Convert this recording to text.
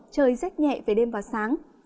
trời rét nhẹ về đêm và sáng